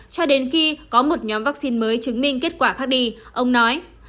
cho đến khi có một nhóm vaccine mới chứng minh kết quả khác đi ông nói